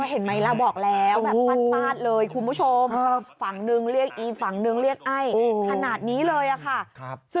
เห็นไหมล่ะบอกแล้วแบบฟาดเลยคุณผู้ชมฝั่งนึงเรียกอีฝั่งนึงเรียกไอ้ขนาดนี้เลยอะค่ะ